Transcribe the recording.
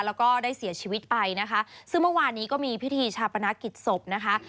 แล้วก็ได้เสียชีวิตไปนะคะซึ่งเมื่อวานนี้ก็มีพิธีชาปนกิจศพนะคะ